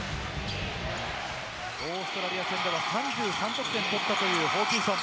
オーストラリア戦では３３得点を取ったホーキンソン。